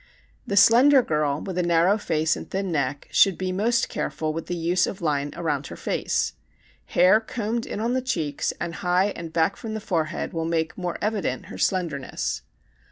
The slender girl with a narrow face and thin neck should be most careful with the use of line around her face. Hair combed in on the cheeks and high and back from the forehead will make more evident her slenderness.